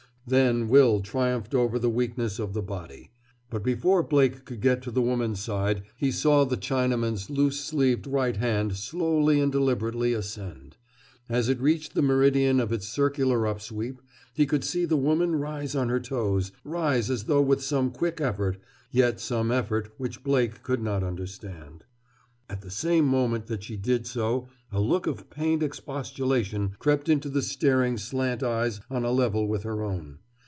Then will triumphed over the weakness of the body. But before Blake could get to the woman's side he saw the Chinaman's loose sleeved right hand slowly and deliberately ascend. As it reached the meridian of its circular upsweep he could see the woman rise on her toes, rise as though with some quick effort, yet some effort which Blake could not understand. At the same moment that she did so a look of pained expostulation crept into the staring slant eyes on a level with her own.